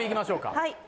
はい。